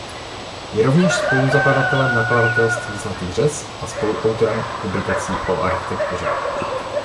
Je rovněž spoluzakladatelem nakladatelství Zlatý řez a spoluautorem publikací o architektuře.